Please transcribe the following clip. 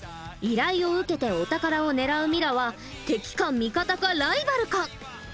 依頼を受けてお宝を狙うミラは敵か味方かライバルか？